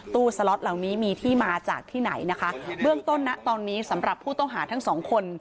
สล็อตเหล่านี้มีที่มาจากที่ไหนนะคะเบื้องต้นนะตอนนี้สำหรับผู้ต้องหาทั้งสองคน